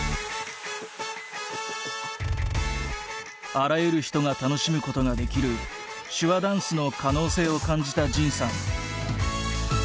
あらゆる人が楽しむことができる手話ダンスの可能性を感じた仁さん。